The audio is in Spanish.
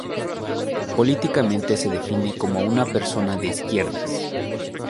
Políticamente se define como una persona de izquierdas.